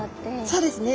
そうですね。